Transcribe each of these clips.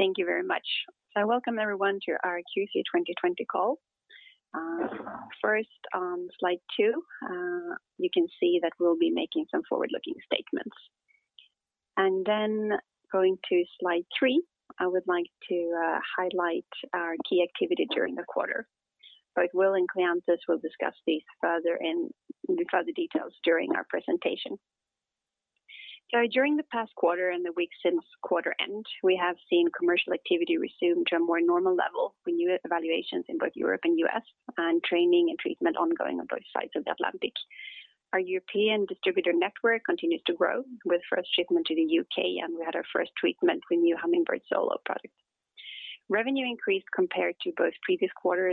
Thank you very much. Welcome everyone to our Q3 2020 call. First on slide two, you can see that we'll be making some forward-looking statements. Going to slide three, I would like to highlight our key activity during the quarter. Both Will and Kleanthis will discuss these further in further details during our presentation. During the past quarter and the weeks since quarter end, we have seen commercial activity resume to a more normal level with new evaluations in both Europe and U.S., and training and treatment ongoing on both sides of the Atlantic. Our European distributor network continues to grow with first shipment to the U.K., and we had our first treatment with new Hummingbird Solo product. Revenue increased compared to both previous quarter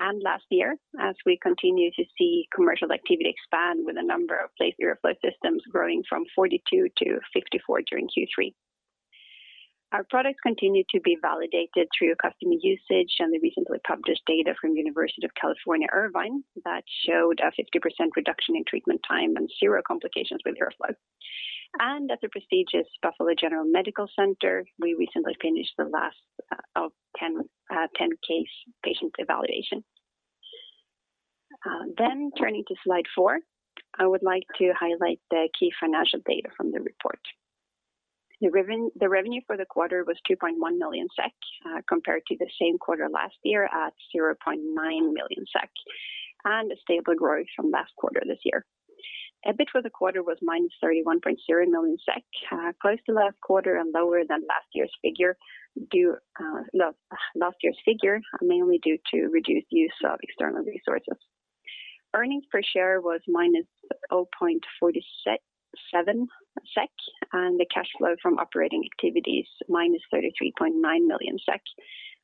and last year, as we continue to see commercial activity expand with a number of placed IRRAflow systems growing from 42-54 during Q3. Our products continue to be validated through customer usage and the recently published data from University of California, Irvine, that showed a 50% reduction in treatment time and zero complications with IRRAflow. At the prestigious Buffalo General Medical Center, we recently finished the last of 10 case patient evaluation. Turning to slide four, I would like to highlight the key financial data from the report. The revenue for the quarter was 2.1 million SEK, compared to the same quarter last year at 0.9 million SEK, and a stable growth from last quarter this year. EBIT for the quarter was -31.0 million SEK, close to last quarter and lower than last year's figure, mainly due to reduced use of external resources. Earnings per share was -0.47 SEK, and the cash flow from operating activities -33.9 million SEK,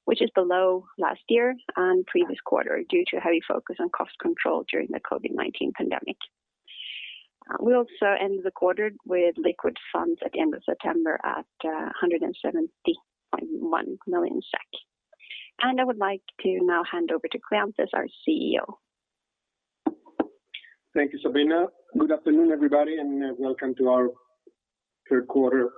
which is below last year and previous quarter due to heavy focus on cost control during the COVID-19 pandemic. We also ended the quarter with liquid funds at the end of September at 170.1 million SEK. I would like to now hand over to Kleanthis, our CEO. Thank you, Sabina. Good afternoon, everybody, and welcome to our third quarter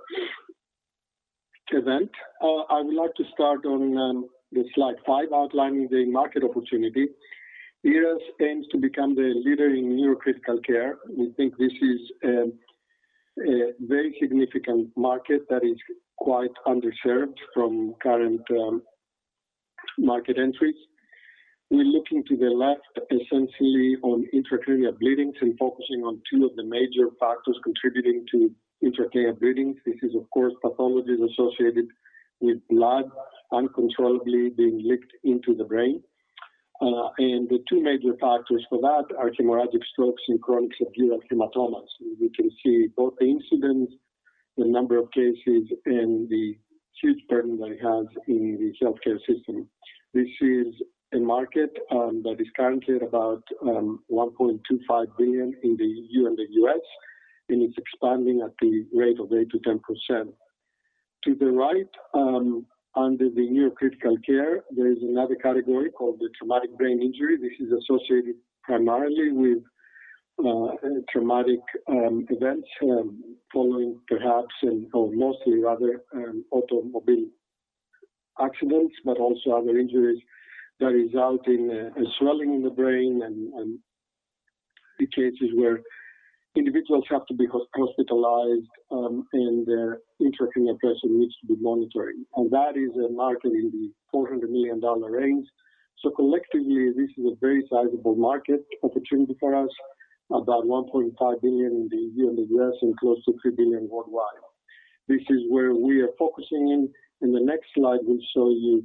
event. I would like to start on the slide five, outlining the market opportunity. IRRAS aims to become the leader in neurocritical care. We think this is a very significant market that is quite underserved from current market entries. We're looking to the left essentially on intracranial bleedings and focusing on two of the major factors contributing to intracranial bleedings. This is, of course, pathologies associated with blood uncontrollably being leaked into the brain. The two major factors for that are hemorrhagic strokes and chronic subdural hematomas. We can see both the incidents, the number of cases, and the huge burden they have in the healthcare system. This is a market that is currently about $1.25 billion in the EU and the U.S., and it's expanding at the rate of 8%-10%. To the right, under the neurocritical care, there is another category called the traumatic brain injury. This is associated primarily with traumatic events following perhaps and/or mostly rather automobile accidents, but also other injuries that result in swelling in the brain and the cases where individuals have to be hospitalized, and their intracranial pressure needs to be monitored. That is a market in the SEK 400 million range. Collectively, this is a very sizable market opportunity for us, about 1.5 billion in the EU and the U.S. and close to 3 billion worldwide. This is where we are focusing in. In the next slide, we'll show you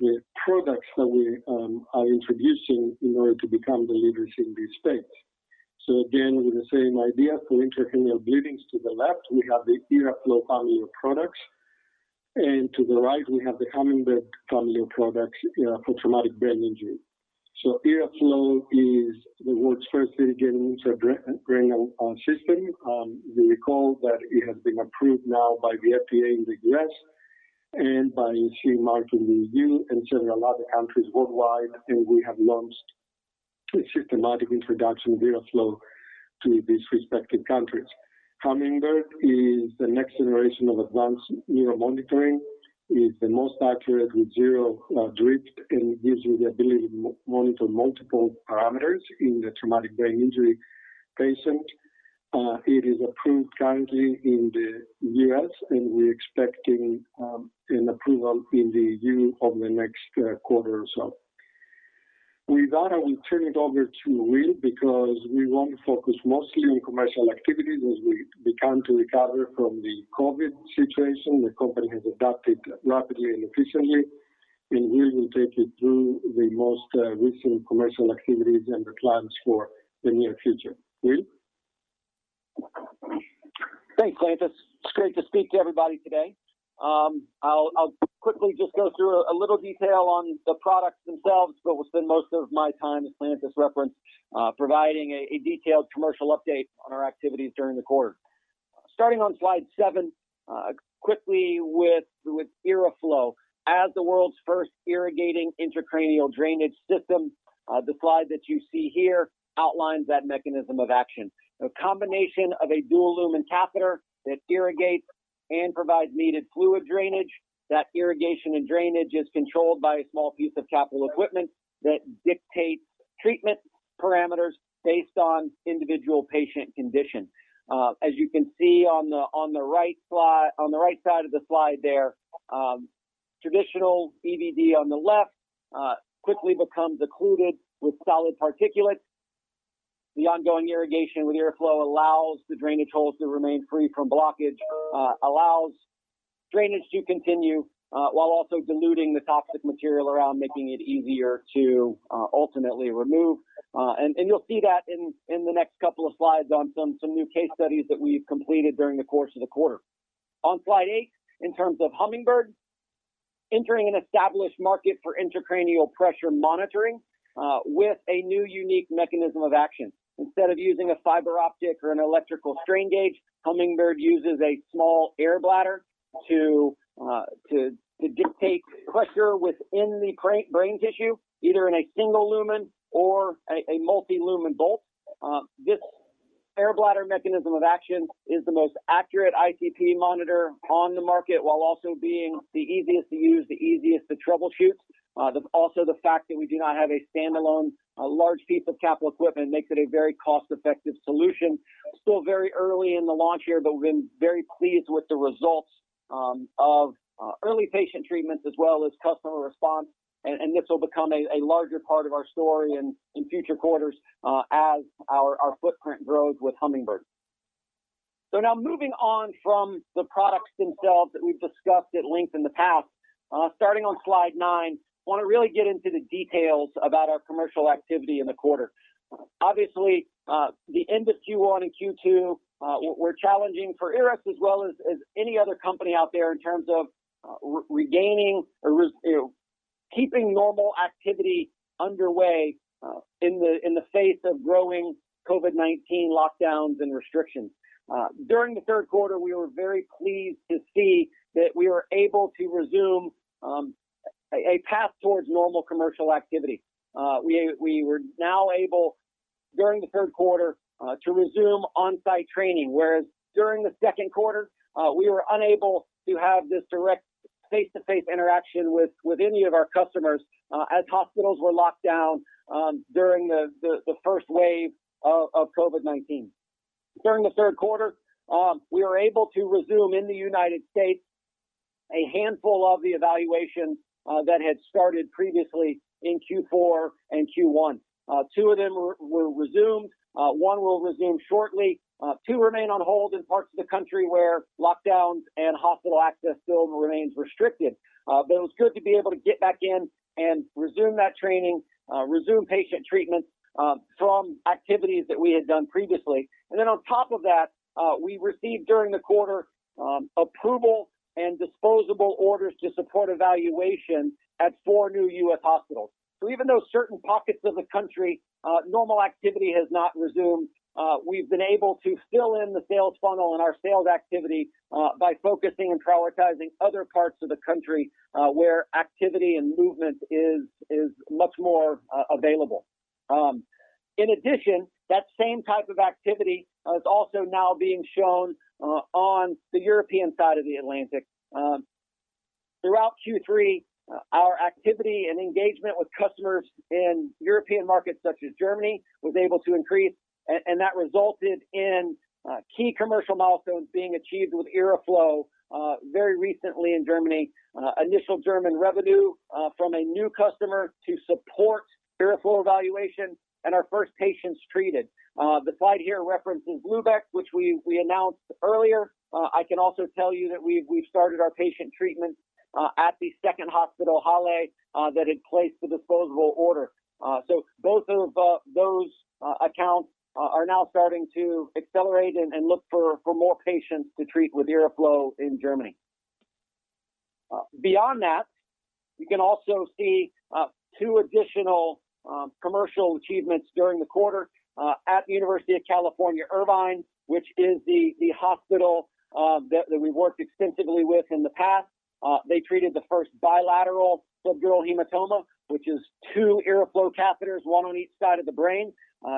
the products that we are introducing in order to become the leaders in this space. Again, with the same idea for intracranial bleedings to the left, we have the IRRAflow family of products. To the right, we have the Hummingbird family of products for traumatic brain injury. IRRAflow is the world's first irrigating intracranial drainage system. You recall that it has been approved now by the FDA in the U.S. and by CE Mark in the EU and several other countries worldwide, and we have launched a systematic introduction of IRRAflow to these respective countries. Hummingbird is the next generation of advanced neuromonitoring, is the most accurate with zero drift and gives you the ability to monitor multiple parameters in the traumatic brain injury patient. It is approved currently in the U.S., and we're expecting an approval in the EU over the next quarter or so. With that, I will turn it over to Will because we want to focus mostly on commercial activities as we begin to recover from the COVID situation. The company has adapted rapidly and efficiently, and Will will take you through the most recent commercial activities and the plans for the near future. Will? Thanks, Kleanthis. It's great to speak to everybody today. I'll quickly just go through a little detail on the products themselves, but we'll spend most of my time, as Kleanthis referenced, providing a detailed commercial update on our activities during the quarter. Starting on slide seven, quickly with IRRAflow. As the world's first irrigating intracranial drainage system, the slide that you see here outlines that mechanism of action. The combination of a dual lumen catheter that irrigates and provides needed fluid drainage. That irrigation and drainage is controlled by a small piece of capital equipment that dictates treatment parameters based on individual patient condition. As you can see on the right side of the slide there, traditional EVD on the left quickly becomes occluded with solid particulates. The ongoing irrigation with IRRAflow allows the drainage holes to remain free from blockage, allows drainage to continue, while also diluting the toxic material around, making it easier to ultimately remove. You'll see that in the next couple of slides on some new case studies that we've completed during the course of the quarter. On slide eight, in terms of Hummingbird, entering an established market for intracranial pressure monitoring with a new unique mechanism of action. Instead of using a fiber optic or an electrical strain gauge, Hummingbird uses a small air bladder to detect pressure within the brain tissue, either in a single-lumen or a multi-lumen bolt. This air bladder mechanism of action is the most accurate ICP monitor on the market, while also being the easiest to use, the easiest to troubleshoot. Also, the fact that we do not have a standalone large piece of capital equipment makes it a very cost-effective solution. Still very early in the launch here, we've been very pleased with the results of early patient treatments as well as customer response. This will become a larger part of our story in future quarters as our footprint grows with Hummingbird. Now moving on from the products themselves that we've discussed at length in the past. Starting on slide nine, want to really get into the details about our commercial activity in the quarter. Obviously, the end of Q1 and Q2 were challenging for IRRAS, as well as any other company out there in terms of regaining or keeping normal activity underway in the face of growing COVID-19 lockdowns and restrictions. During the third quarter, we were very pleased to see that we were able to resume a path towards normal commercial activity. We were now able, during the third quarter, to resume on-site training, whereas during the second quarter, we were unable to have this direct face-to-face interaction with any of our customers, as hospitals were locked down during the first wave of COVID-19. During the third quarter, we were able to resume in the United States a handful of the evaluations that had started previously in Q4 and Q1. Two of them were resumed. One will resume shortly. Two remain on hold in parts of the country where lockdowns and hospital access still remains restricted. It was good to be able to get back in and resume that training, resume patient treatment from activities that we had done previously. On top of that, we received during the quarter approval and disposable orders to support evaluation at four new U.S. hospitals. Even though certain pockets of the country, normal activity has not resumed, we've been able to fill in the sales funnel and our sales activity by focusing and prioritizing other parts of the country, where activity and movement is much more available. In addition, that same type of activity is also now being shown on the European side of the Atlantic. Throughout Q3, our activity and engagement with customers in European markets such as Germany was able to increase, and that resulted in key commercial milestones being achieved with IRRAflow very recently in Germany. Initial German revenue from a new customer to support IRRAflow evaluation and our first patients treated. The slide here references Lübeck, which we announced earlier. I can also tell you that we've started our patient treatments at the second hospital, Halle, that had placed the disposable order. Both of those accounts are now starting to accelerate and look for more patients to treat with IRRAflow in Germany. Beyond that, you can also see two additional commercial achievements during the quarter at the University of California, Irvine, which is the hospital that we've worked extensively with in the past. They treated the first bilateral subdural hematoma, which is two IRRAflow catheters, one on each side of the brain.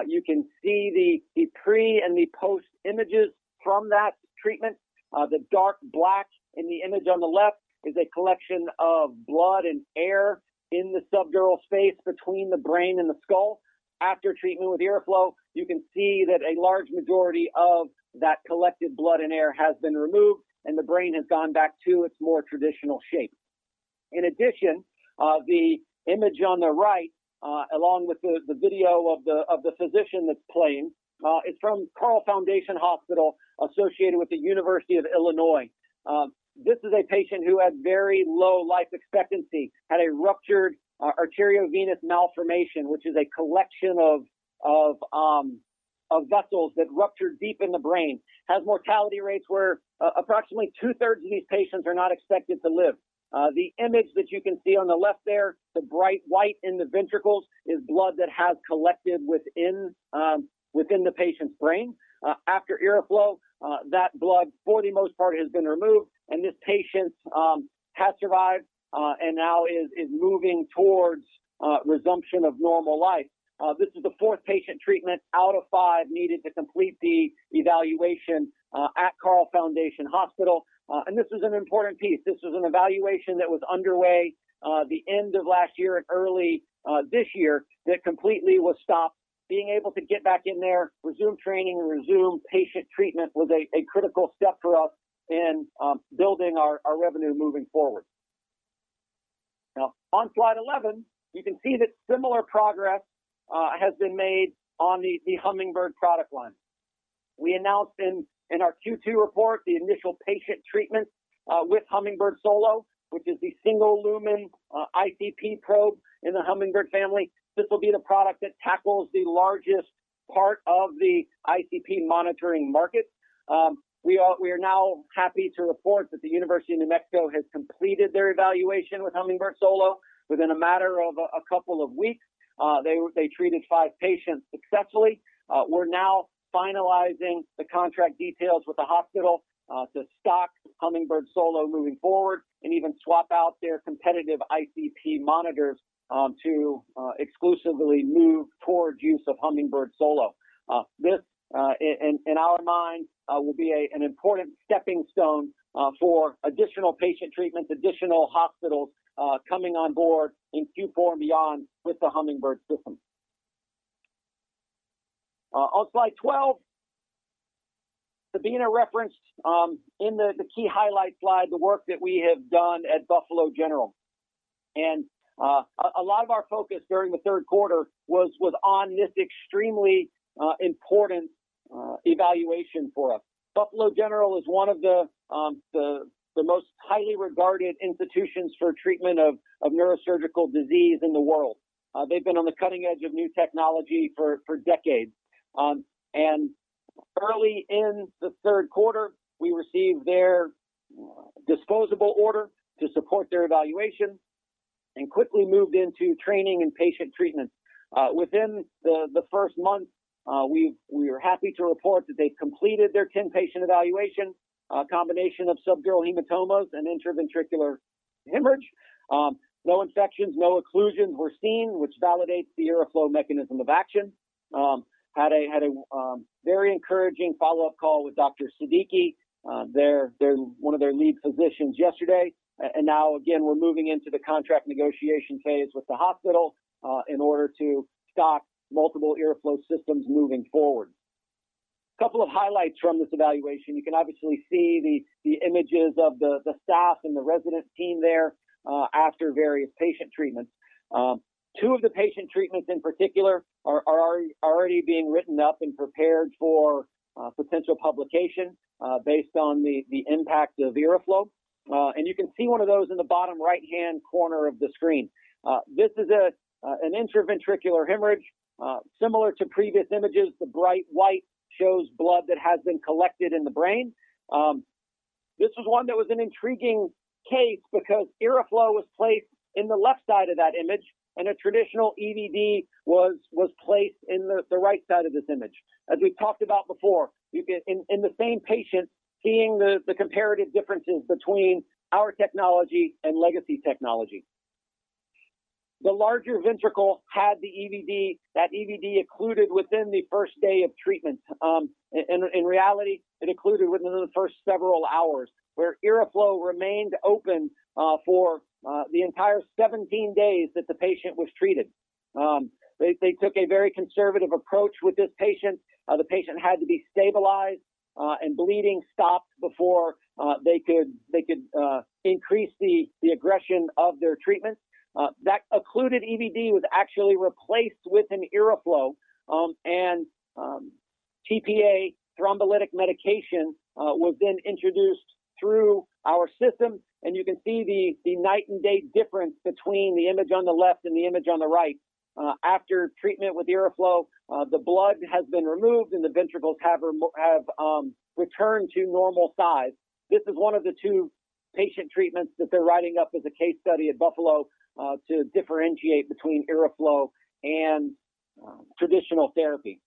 You can see the pre and the post images from that treatment. The dark black in the image on the left is a collection of blood and air in the subdural space between the brain and the skull. After treatment with IRRAflow, you can see that a large majority of that collected blood and air has been removed, and the brain has gone back to its more traditional shape. In addition, the image on the right, along with the video of the physician that's playing, is from Carle Foundation Hospital associated with the University of Illinois. This is a patient who had very low life expectancy, had a ruptured arteriovenous malformation, which is a collection of vessels that ruptured deep in the brain. Has mortality rates where approximately 2/3 of these patients are not expected to live. The image that you can see on the left there, the bright white in the ventricles is blood that has collected within the patient's brain. After IRRAflow, that blood, for the most part, has been removed, and this patient has survived and now is moving towards resumption of normal life. This is the fourth patient treatment out of five needed to complete the evaluation at Carle Foundation Hospital. This is an important piece. This was an evaluation that was underway the end of last year, early this year that completely was stopped. Being able to get back in there, resume training, and resume patient treatment was a critical step for us in building our revenue moving forward. Now, on slide 11, you can see that similar progress has been made on the Hummingbird product line. We announced in our Q2 report the initial patient treatment with Hummingbird Solo, which is the single lumen ICP probe in the Hummingbird family. This will be the product that tackles the largest part of the ICP monitoring market. We are now happy to report that the University of New Mexico has completed their evaluation with Hummingbird Solo within a matter of a couple of weeks. They treated five patients successfully. We're now finalizing the contract details with the hospital to stock Hummingbird Solo moving forward, and even swap out their competitive ICP monitors to exclusively move towards use of Hummingbird Solo. This, in our mind, will be an important stepping stone for additional patient treatments, additional hospitals coming on board in Q4 and beyond with the Hummingbird system. On slide 12, Sabina referenced in the key highlights slide the work that we have done at Buffalo General. A lot of our focus during the third quarter was on this extremely important evaluation for us. Buffalo General is one of the most highly regarded institutions for treatment of neurosurgical disease in the world. They've been on the cutting edge of new technology for decades. Early in the third quarter, we received their disposable order to support their evaluation and quickly moved into training and patient treatment. Within the first month, we are happy to report that they've completed their 10-patient evaluation, a combination of subdural hematomas and intraventricular hemorrhage. No infections, no occlusions were seen, which validates the IRRAflow mechanism of action. Had a very encouraging follow-up call with Dr. Siddiqui, one of their lead physicians yesterday. Now again, we're moving into the contract negotiation phase with the hospital in order to stock multiple IRRAflow systems moving forward. Couple of highlights from this evaluation. You can obviously see the images of the staff and the resident team there after various patient treatments. Two of the patient treatments in particular are already being written up and prepared for potential publication based on the impact of IRRAflow. You can see one of those in the bottom right-hand corner of the screen. This is an intraventricular hemorrhage. Similar to previous images, the bright white shows blood that has been collected in the brain. This was one that was an intriguing case because IRRAflow was placed in the left side of that image, and a traditional EVD was placed in the right side of this image. As we've talked about before, in the same patient, seeing the comparative differences between our technology and legacy technology. The larger ventricle had the EVD. That EVD occluded within the first day of treatment. In reality, it occluded within the first several hours, where IRRAflow remained open for the entire 17 days that the patient was treated. They took a very conservative approach with this patient. The patient had to be stabilized and bleeding stopped before they could increase the aggression of their treatment. That occluded EVD was actually replaced with an IRRAflow, tPA thrombolytic medication was then introduced through our system. You can see the night and day difference between the image on the left and the image on the right. After treatment with IRRAflow, the blood has been removed, and the ventricles have returned to normal size. This is one of the two patient treatments that they're writing up as a case study at Buffalo to differentiate between IRRAflow and traditional therapy.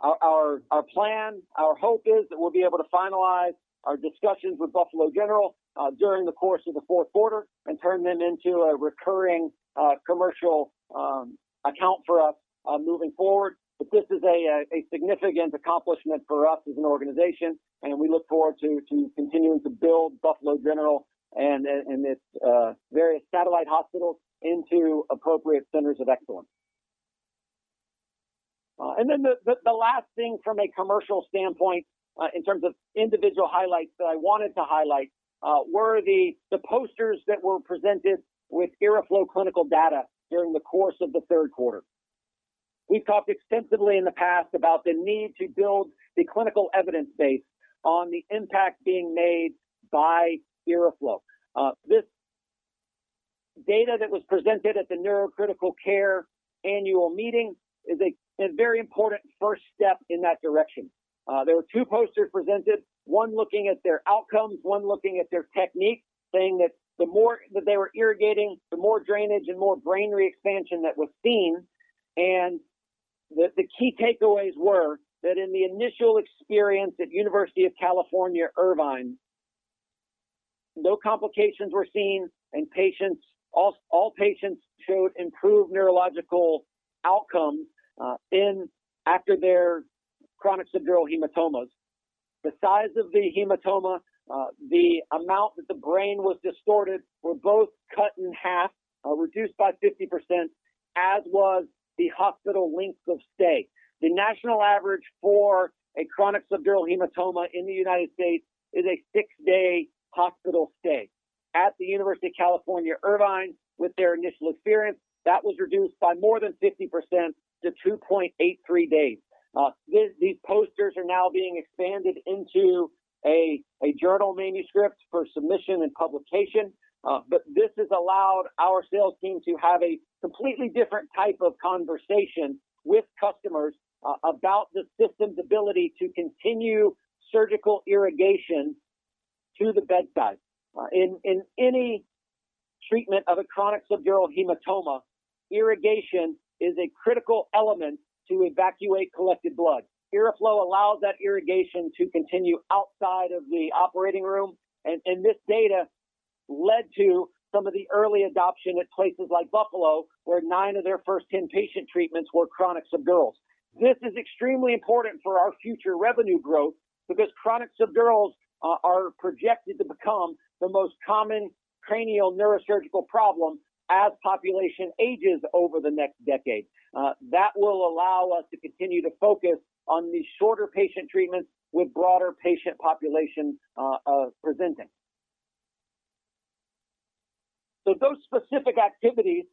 Our plan, our hope is that we'll be able to finalize our discussions with Buffalo General during the course of the fourth quarter and turn them into a recurring commercial account for us moving forward. This is a significant accomplishment for us as an organization, and we look forward to continuing to build Buffalo General and its various satellite hospitals into appropriate centers of excellence. The last thing from a commercial standpoint in terms of individual highlights that I wanted to highlight were the posters that were presented with IRRAflow clinical data during the course of the third quarter. We've talked extensively in the past about the need to build the clinical evidence base on the impact being made by IRRAflow. This data that was presented at the Neurocritical Care Annual Meeting is a very important first step in that direction. There were two posters presented, one looking at their outcomes, one looking at their technique, saying that the more that they were irrigating, the more drainage and more brain re-expansion that was seen. The key takeaways were that in the initial experience at University of California, Irvine, no complications were seen, and all patients showed improved neurological outcomes after their chronic subdural hematomas. The size of the hematoma, the amount that the brain was distorted, were both cut in half, reduced by 50%, as was the hospital length of stay. The national average for a chronic subdural hematoma in the U.S. is a six-day hospital stay. At the University of California, Irvine, with their initial experience, that was reduced by more than 50% to 2.83 days. These posters are now being expanded into a journal manuscript for submission and publication. This has allowed our sales team to have a completely different type of conversation with customers about the system's ability to continue surgical irrigation to the bedside. In any treatment of a chronic subdural hematoma, irrigation is a critical element to evacuate collected blood. IRRAflow allows that irrigation to continue outside of the operating room. This data led to some of the early adoption at places like Buffalo, where nine of their first 10 patient treatments were chronic subdurals. This is extremely important for our future revenue growth because chronic subdurals are projected to become the most common cranial neurosurgical problem as population ages over the next decade. That will allow us to continue to focus on these shorter patient treatments with broader patient populations presenting. Those specific activities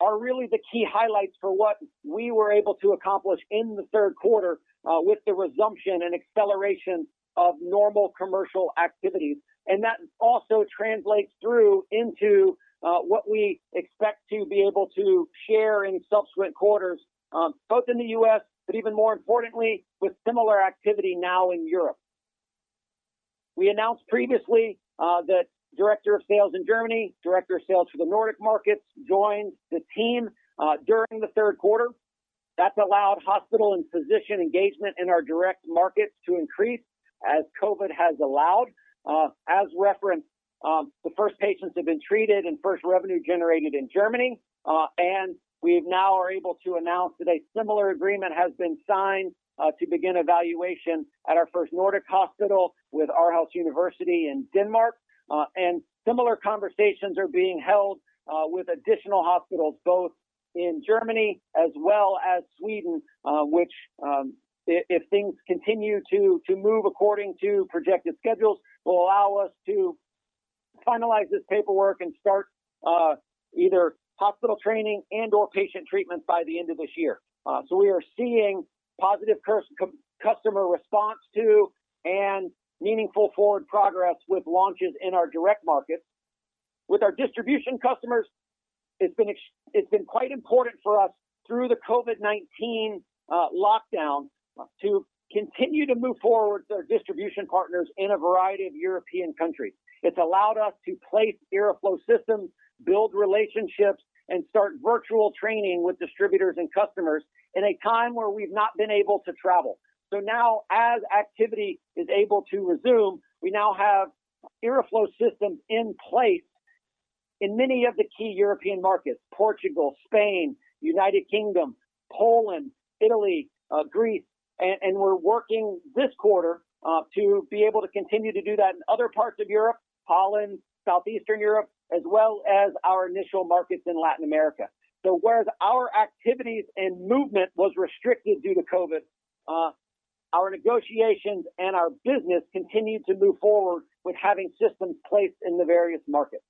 are really the key highlights for what we were able to accomplish in the third quarter with the resumption and acceleration of normal commercial activities. That also translates through into what we expect to be able to share in subsequent quarters, both in the U.S., but even more importantly with similar activity now in Europe. We announced previously that Director of Sales in Germany, Director of Sales for the Nordic markets joined the team during the third quarter. That's allowed hospital and physician engagement in our direct markets to increase as COVID has allowed. As referenced, the first patients have been treated and first revenue generated in Germany. We now are able to announce that a similar agreement has been signed to begin evaluation at our first Nordic hospital with Aarhus University in Denmark. Similar conversations are being held with additional hospitals both in Germany as well as Sweden, which, if things continue to move according to projected schedules, will allow us to finalize this paperwork and start either hospital training and/or patient treatment by the end of this year. We are seeing positive customer response to and meaningful forward progress with launches in our direct markets. With our distribution customers, it's been quite important for us through the COVID-19 lockdown to continue to move forward with our distribution partners in a variety of European countries. It's allowed us to place IRRAflow systems, build relationships, and start virtual training with distributors and customers in a time where we've not been able to travel. Now as activity is able to resume, we now have IRRAflow systems in place in many of the key European markets, Portugal, Spain, United Kingdom, Poland, Italy, Greece, and we're working this quarter to be able to continue to do that in other parts of Europe, Holland, Southeastern Europe, as well as our initial markets in Latin America. Whereas our activities and movement was restricted due to COVID-19, our negotiations and our business continued to move forward with having systems placed in the various markets.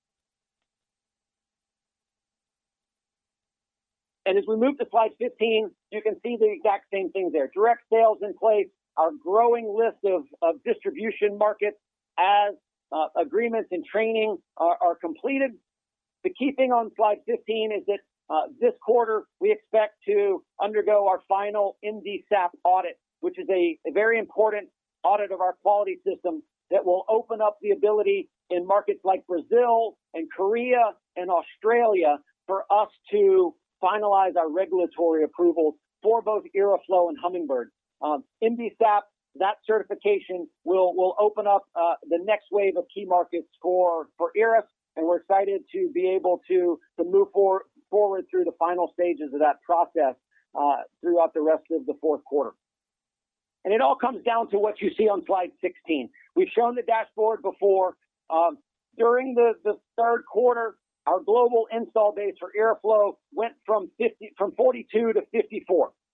As we move to slide 15, you can see the exact same thing there. Direct sales in place, our growing list of distribution markets as agreements and training are completed. The key thing on slide 15 is that this quarter we expect to undergo our final MDSAP audit, which is a very important audit of our quality system that will open up the ability in markets like Brazil and Korea and Australia for us to finalize our regulatory approvals for both IRRAflow and Hummingbird. MDSAP, that certification will open up the next wave of key markets for IRRAS. We're excited to be able to move forward through the final stages of that process throughout the rest of the fourth quarter. It all comes down to what you see on slide 16. We've shown the dashboard before. During the third quarter, our global install base for IRRAflow went from 42-54.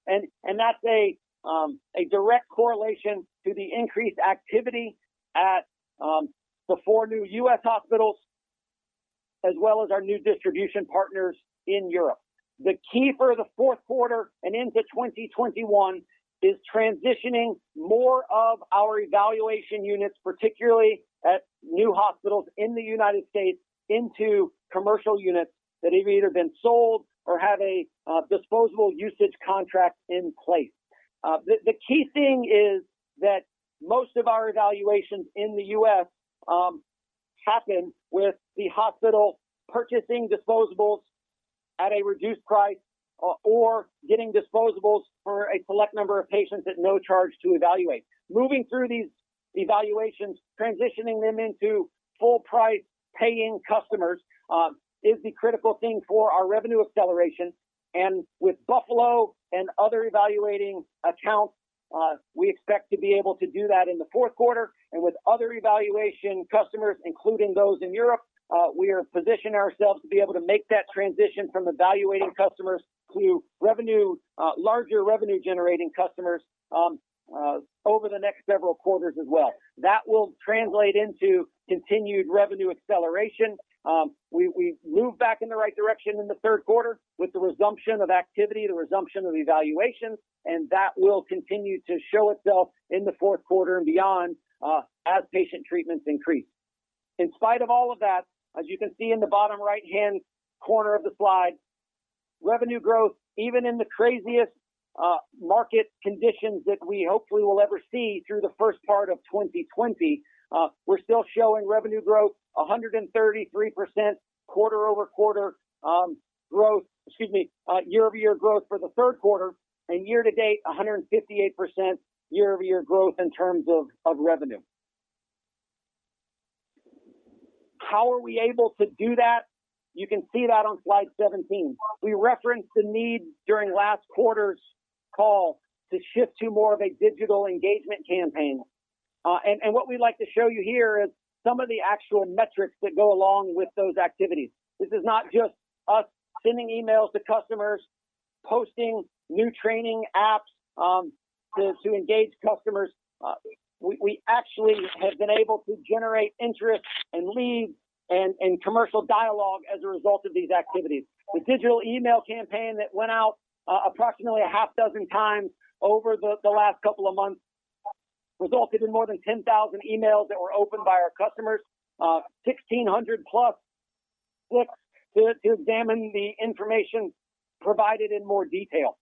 That's a direct correlation to the increased activity at the four new U.S. hospitals, as well as our new distribution partners in Europe. The key for the fourth quarter and into 2021 is transitioning more of our evaluation units, particularly at new hospitals in the United States, into commercial units that have either been sold or have a disposable usage contract in place. The key thing is that most of our evaluations in the U.S. happen with the hospital purchasing disposables at a reduced price or getting disposables for a select number of patients at no charge to evaluate. Moving through these evaluations, transitioning them into full price paying customers is the critical thing for our revenue acceleration. With Buffalo and other evaluating accounts, we expect to be able to do that in the fourth quarter. With other evaluation customers, including those in Europe, we are positioning ourselves to be able to make that transition from evaluating customers to larger revenue-generating customers over the next several quarters as well. That will translate into continued revenue acceleration. We've moved back in the right direction in the third quarter with the resumption of activity, the resumption of evaluations, and that will continue to show itself in the fourth quarter and beyond as patient treatments increase. In spite of all of that, as you can see in the bottom right-hand corner of the slide, revenue growth, even in the craziest market conditions that we hopefully will ever see through the first part of 2020, we're still showing revenue growth 133% year-over-year growth for the third quarter, and year to date, 158% year-over-year growth in terms of revenue. How are we able to do that? You can see that on slide 17. We referenced the need during last quarter's call to shift to more of a digital engagement campaign. What we'd like to show you here is some of the actual metrics that go along with those activities. This is not just us sending emails to customers, posting new training apps to engage customers. We actually have been able to generate interest and leads and commercial dialogue as a result of these activities. The digital email campaign that went out approximately a half dozen times over the last couple of months resulted in more than 10,000 emails that were opened by our customers. 1,600+ clicks to examine the information provided in more detail.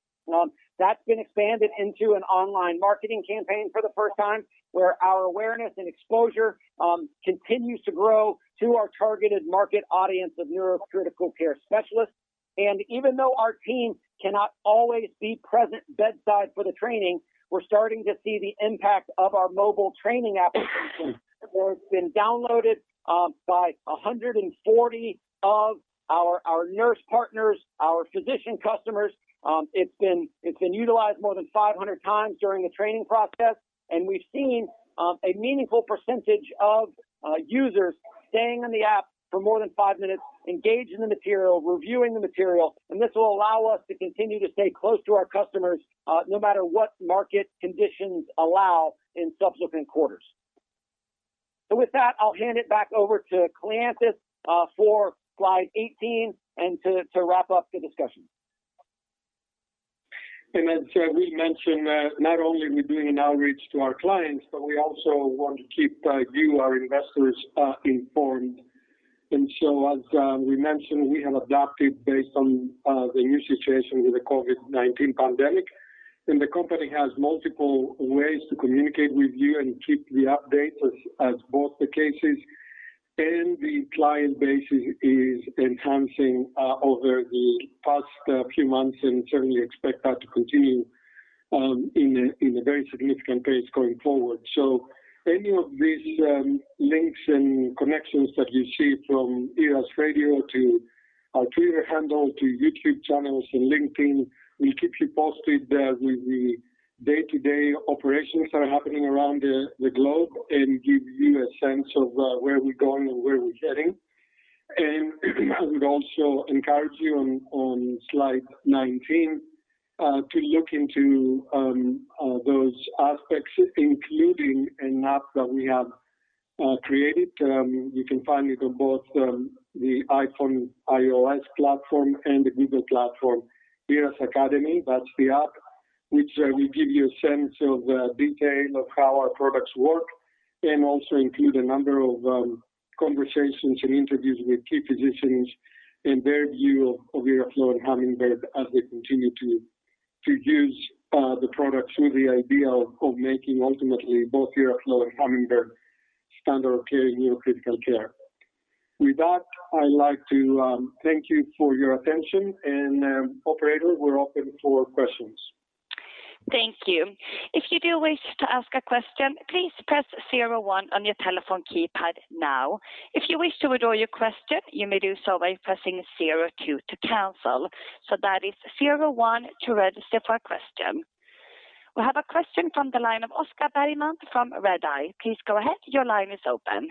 That's been expanded into an online marketing campaign for the first time, where our awareness and exposure continues to grow to our targeted market audience of neurocritical care specialists. Even though our team cannot always be present bedside for the training, we're starting to see the impact of our mobile training application, where it's been downloaded by 140 of our nurse partners, our physician customers. It's been utilized more than 500 times during the training process, and we've seen a meaningful percentage of users staying on the app for more than five minutes, engaged in the material, reviewing the material, and this will allow us to continue to stay close to our customers no matter what market conditions allow in subsequent quarters. With that, I'll hand it back over to Kleanthis for slide 18 and to wrap up the discussion. As we mentioned, not only are we doing an outreach to our clients, but we also want to keep you, our investors, informed. As we mentioned, we have adapted based on the new situation with the COVID-19 pandemic. The company has multiple ways to communicate with you and keep the updates as both the cases and the client base is enhancing over the past few months and certainly expect that to continue in a very significant pace going forward. Any of these links and connections that you see from IRRAS Radio to our Twitter handle to YouTube channels and LinkedIn, we'll keep you posted with the day-to-day operations that are happening around the globe and give you a sense of where we're going and where we're heading. We'd also encourage you on slide 19 to look into those aspects, including an app that we have created. You can find it on both the iPhone iOS platform and the Google platform. IRRAS Academy, that's the app, which will give you a sense of detail of how our products work, and also include a number of conversations and interviews with key physicians and their view of IRRAflow and Hummingbird as they continue to use the product with the idea of making ultimately both IRRAflow and Hummingbird standard of care in neurocritical care. With that, I'd like to thank you for your attention, and operator, we're open for questions. Thank you. If you do wish to ask a question please press zero one on your telephone keypad now. If you wish to withdraw your question you may do so by pressing zero two to cancel, so that is zero one to register for a question. We have a question from the line of Oscar Bergman from Redeye. Please go ahead. Your line is open.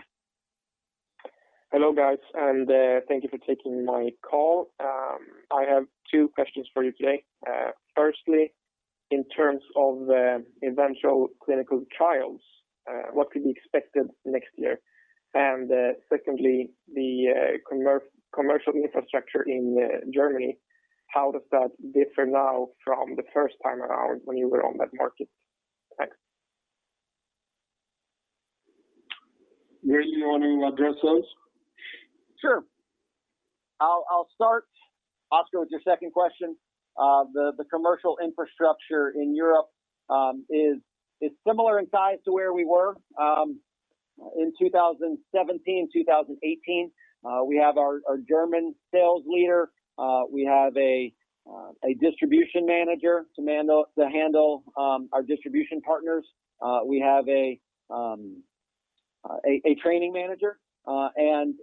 Hello, guys, and thank you for taking my call. I have two questions for you today. Firstly, in terms of eventual clinical trials, what could be expected next year? Secondly, the commercial infrastructure in Germany, how does that differ now from the first time around when you were on that market? Thanks. Do you want to address those? Sure. I'll start, Oscar, with your second question. The commercial infrastructure in Europe is similar in size to where we were. In 2017, 2018, we have our German sales leader. We have a distribution manager to handle our distribution partners. We have a training manager. In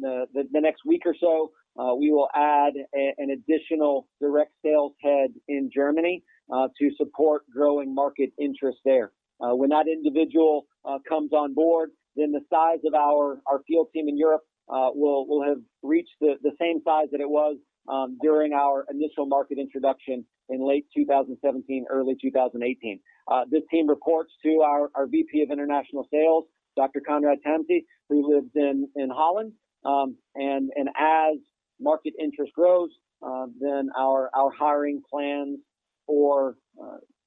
the next week or so, we will add an additional direct sales head in Germany to support growing market interest there. When that individual comes on board, the size of our field team in Europe will have reached the same size that it was during our initial market introduction in late 2017, early 2018. This team reports to our VP of International Sales, Dr. Coenraad Tamse who lives in Holland. As market interest grows, our hiring plans for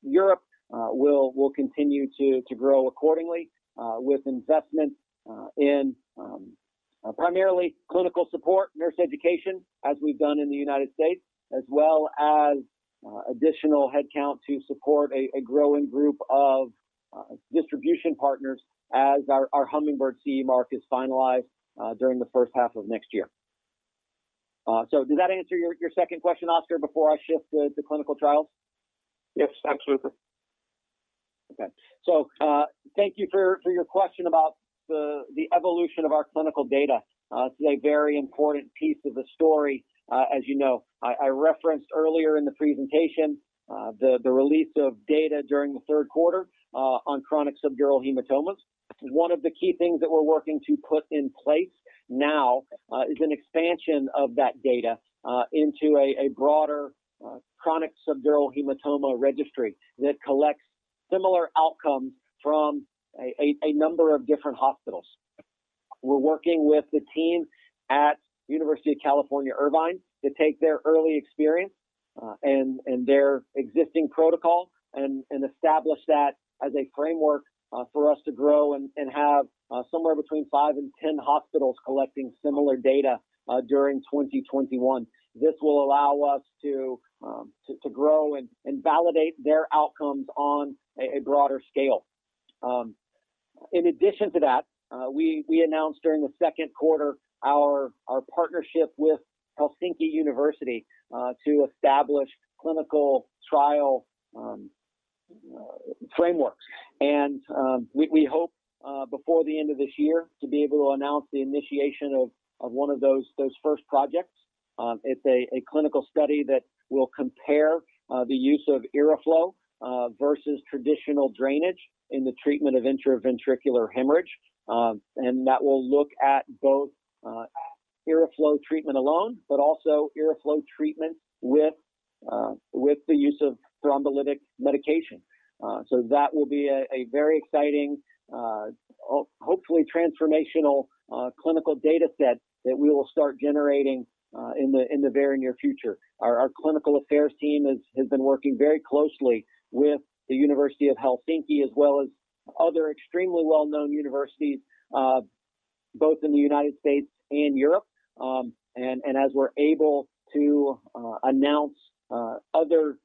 Europe will continue to grow accordingly with investment in primarily clinical support, nurse education, as we've done in the United States, as well as additional headcount to support a growing group of distribution partners as our Hummingbird CE mark is finalized during the first half of next year. Does that answer your second question, Oscar, before I shift to clinical trials? Yes, absolutely. Thank you for your question about the evolution of our clinical data. It's a very important piece of the story, as you know. I referenced earlier in the presentation, the release of data during the third quarter on chronic subdural hematomas. One of the key things that we're working to put in place now is an expansion of that data into a broader chronic subdural hematoma registry that collects similar outcomes from a number of different hospitals. We're working with the team at University of California, Irvine, to take their early experience and their existing protocol and establish that as a framework for us to grow and have somewhere between five and 10 hospitals collecting similar data during 2021. This will allow us to grow and validate their outcomes on a broader scale. In addition to that, we announced during the second quarter our partnership with the University of Helsinki to establish clinical trial frameworks. We hope before the end of this year to be able to announce the initiation of one of those first projects. It's a clinical study that will compare the use of IRRAflow versus traditional drainage in the treatment of intraventricular hemorrhage. That will look at both IRRAflow treatment alone, but also IRRAflow treatment with the use of thrombolytic medication. That will be a very exciting, hopefully transformational clinical data set that we will start generating in the very near future. Our clinical affairs team has been working very closely with the University of Helsinki, as well as other extremely well-known universities, both in the U.S. and Europe. As we're able to announce other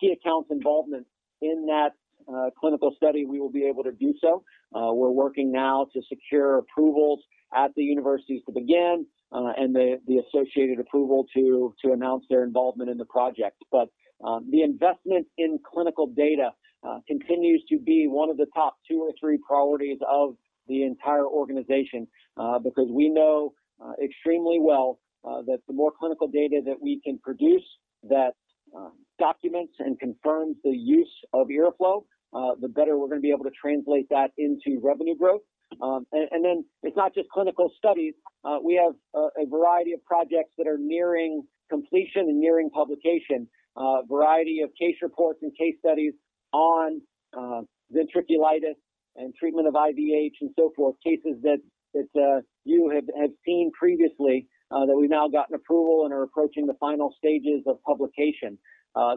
key accounts involvement in that clinical study, we will be able to do so. We're working now to secure approvals at the universities to begin and the associated approval to announce their involvement in the project. The investment in clinical data continues to be one of the top two or three priorities of the entire organization, because we know extremely well that the more clinical data that we can produce that documents and confirms the use of IRRAflow, the better we're going to be able to translate that into revenue growth. It's not just clinical studies. We have a variety of projects that are nearing completion and nearing publication. A variety of case reports and case studies on ventriculitis and treatment of IVH and so forth, cases that you have seen previously that we've now gotten approval and are approaching the final stages of publication.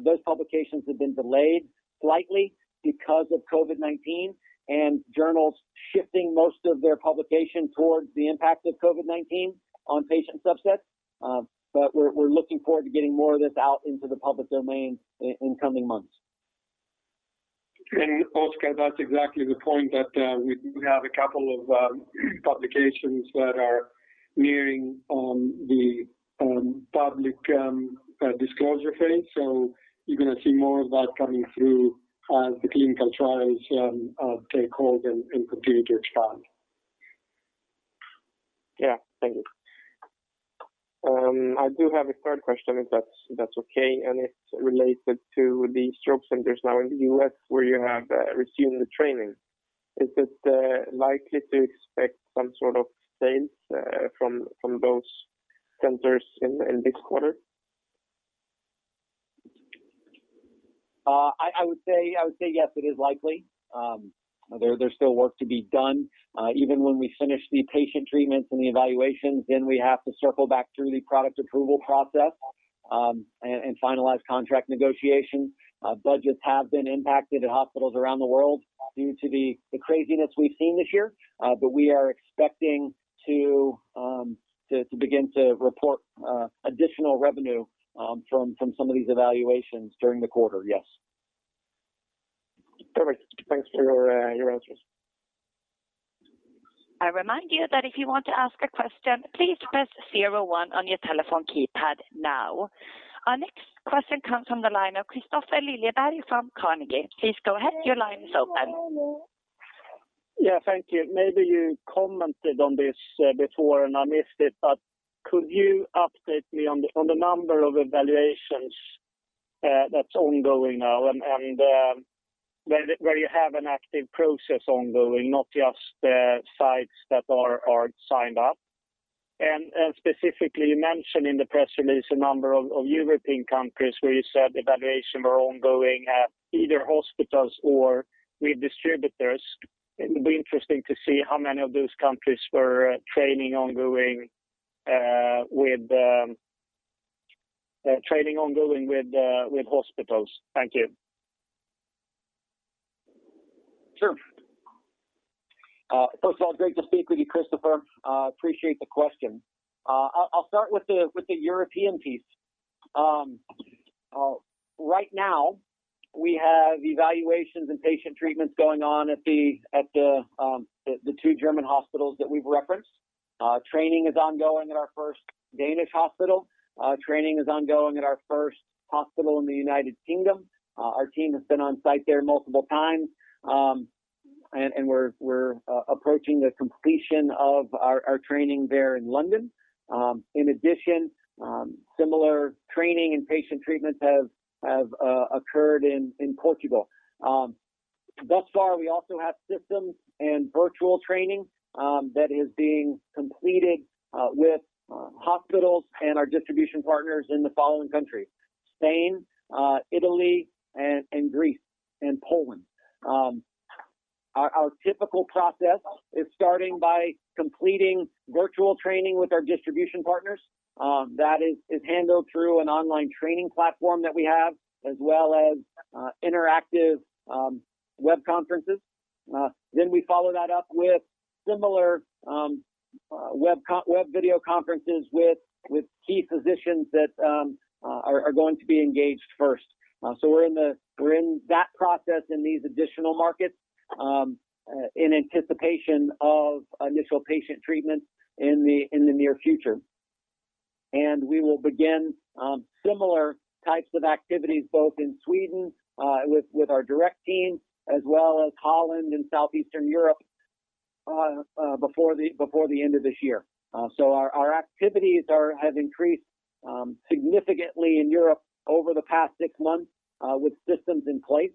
Those publications have been delayed slightly because of COVID-19 and journals shifting most of their publication towards the impact of COVID-19 on patient subsets. We're looking forward to getting more of this out into the public domain in coming months. Oscar, that's exactly the point that we have a couple of publications that are nearing the public disclosure phase. You're going to see more of that coming through as the clinical trials take hold and continue to expand. Yeah. Thank you. I do have a third question, if that's okay. It's related to the stroke centers now in the U.S. where you have resumed the training. Is it likely to expect some sort of sales from those centers in this quarter? I would say yes, it is likely. There's still work to be done. Even when we finish the patient treatments and the evaluations, then we have to circle back through the product approval process and finalize contract negotiations. Budgets have been impacted at hospitals around the world due to the craziness we've seen this year. We are expecting to begin to report additional revenue from some of these evaluations during the quarter, yes. Perfect. Thanks for your answers. I remind you that if you want to ask a question please press zero one on your telephone keypad now. Our next question comes from the line of Kristofer Liljeberg from Carnegie. Please go ahead. Your line is open. Yeah, thank you. Maybe you commented on this before and I missed it, but could you update me on the number of evaluations that's ongoing now and where you have an active process ongoing, not just the sites that are signed up? Specifically, you mentioned in the press release a number of European countries where you said evaluations are ongoing at either hospitals or with distributors. It'll be interesting to see how many of those countries were training ongoing with hospitals? Thank you. Sure. First of all, great to speak with you, Kristofer. Appreciate the question. I'll start with the European piece. Right now, we have evaluations and patient treatments going on at the two German hospitals that we've referenced. Training is ongoing at our first Danish hospital. Training is ongoing at our first hospital in the U.K. Our team has been on site there multiple times. We're approaching the completion of our training there in London. In addition, similar training and patient treatments have occurred in Portugal. Thus far, we also have systems and virtual training that is being completed with hospitals and our distribution partners in the following countries, Spain, Italy, Greece, and Poland. Our typical process is starting by completing virtual training with our distribution partners. That is handled through an online training platform that we have, as well as interactive web conferences. We follow that up with similar web video conferences with key physicians that are going to be engaged first. We're in that process in these additional markets, in anticipation of initial patient treatment in the near future. We will begin similar types of activities both in Sweden with our direct team as well as Holland and Southeastern Europe before the end of this year. Our activities have increased significantly in Europe over the past six months with systems in place.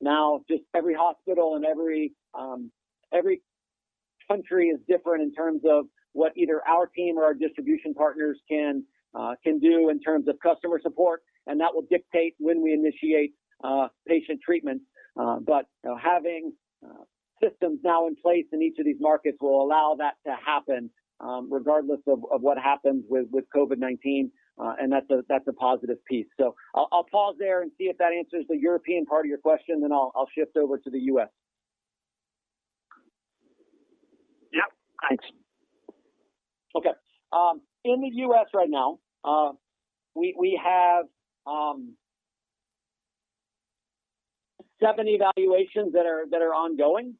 Now, just every hospital and every country is different in terms of what either our team or our distribution partners can do in terms of customer support, and that will dictate when we initiate patient treatment. Having systems now in place in each of these markets will allow that to happen regardless of what happens with COVID-19. That's a positive piece. I'll pause there and see if that answers the European part of your question. I'll shift over to the U.S. Yep. Thanks. Okay. In the U.S. right now, we have seven evaluations that are ongoing.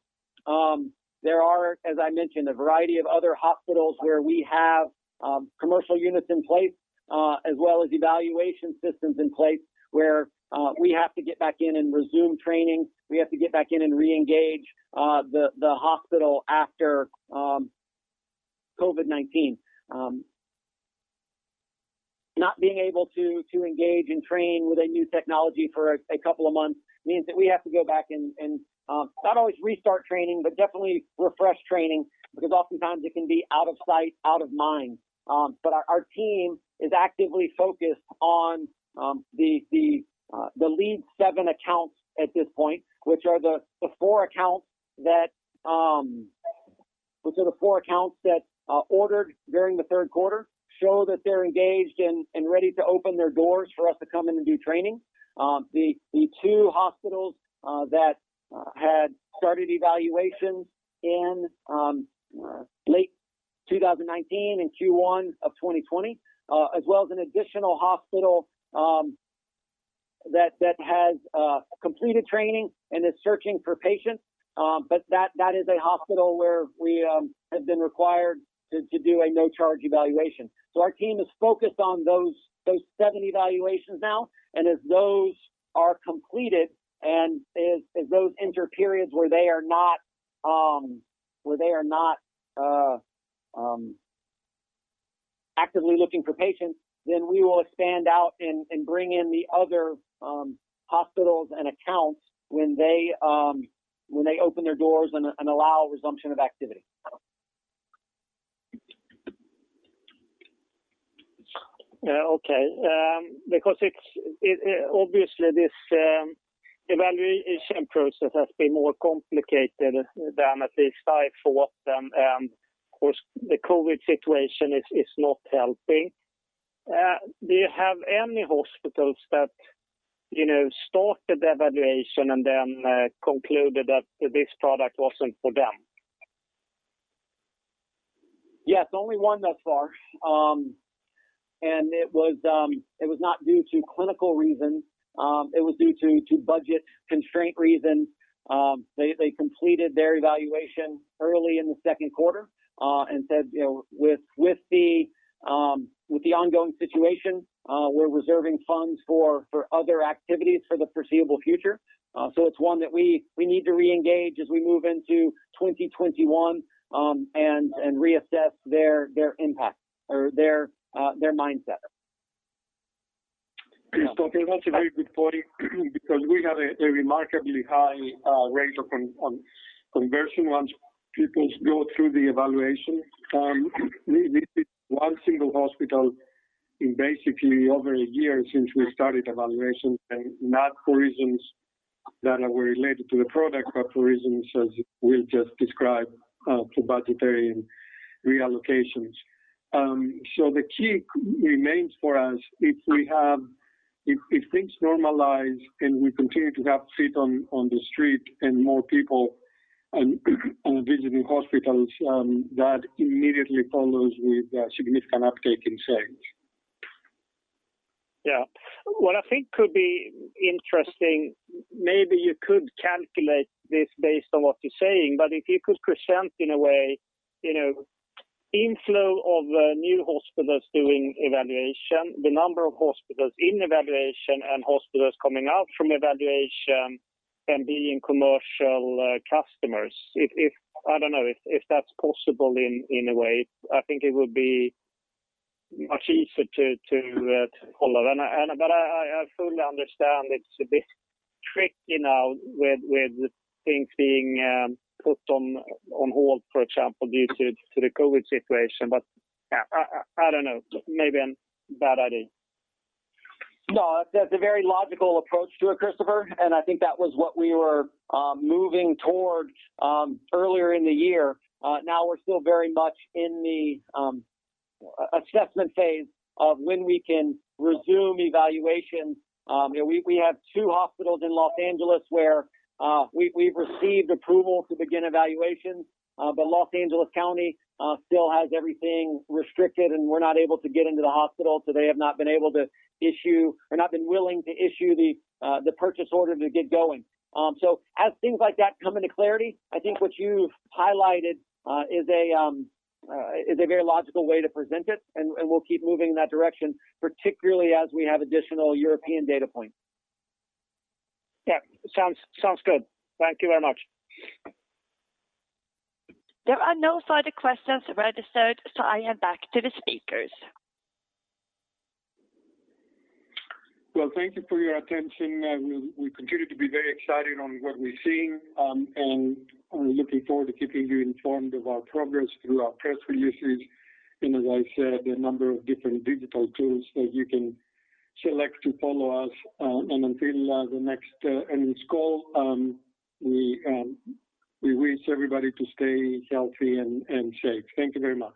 There are, as I mentioned, a variety of other hospitals where we have commercial units in place as well as evaluation systems in place where we have to get back in and resume training. We have to get back in and reengage the hospital after COVID-19. Not being able to engage and train with a new technology for a couple of months means that we have to go back and not always restart training, but definitely refresh training, because oftentimes it can be out of sight, out of mind. Our team is actively focused on the lead seven accounts at this point, which are the four accounts that ordered during the third quarter, show that they're engaged and ready to open their doors for us to come in and do training. The two hospitals that had started evaluations in late 2019 and Q1 of 2020 as well as an additional hospital that has completed training and is searching for patients. That is a hospital where we have been required to do a no-charge evaluation. Our team is focused on those seven evaluations now. As those are completed and as those enter periods where they are not actively looking for patients, we will expand out and bring in the other hospitals and accounts when they open their doors and allow resumption of activity. Okay. Obviously this evaluation process has been more complicated than at least I thought, and of course, the COVID situation is not helping. Do you have any hospitals that started the evaluation and then concluded that this product wasn't for them? Yes, only one thus far. It was not due to clinical reasons. It was due to budget constraint reasons. They completed their evaluation early in the second quarter, and said, "With the ongoing situation, we're reserving funds for other activities for the foreseeable future." It's one that we need to reengage as we move into 2021, and reassess their impact or their mindset. That's a very good point because we have a remarkably high rate of conversion once people go through the evaluation. We visit one single hospital in basically over a year since we started evaluation, and not for reasons that were related to the product, but for reasons as Will just described, for budgetary and reallocations. The key remains for us, if things normalize and we continue to have feet on the street and more people and visiting hospitals, that immediately follows with a significant uptick in sales. Yeah. What I think could be interesting, maybe you could calculate this based on what you're saying, but if you could present in a way, inflow of new hospitals doing evaluation, the number of hospitals in evaluation and hospitals coming out from evaluation and being commercial customers. I don't know if that's possible in a way. I think it would be much easier to follow. I fully understand it's a bit tricky now with things being put on hold, for example, due to the COVID-19 situation. I don't know, maybe a bad idea? No, that's a very logical approach to it, Kristofer. I think that was what we were moving towards earlier in the year. Now we're still very much in the assessment phase of when we can resume evaluation. We have two hospitals in Los Angeles where we've received approval to begin evaluations. Los Angeles County still has everything restricted, and we're not able to get into the hospital. They have not been able to issue or not been willing to issue the purchase order to get going. As things like that come into clarity, I think what you've highlighted is a very logical way to present it, and we'll keep moving in that direction, particularly as we have additional European data points. Yeah. Sounds good. Thank you very much. There are no further questions registered, so I hand back to the speakers. Well, thank you for your attention. We continue to be very excited on what we're seeing, are looking forward to keeping you informed of our progress through our press releases and, as I said, the number of different digital tools that you can select to follow us. Until the next earnings call, we wish everybody to stay healthy and safe. Thank you very much.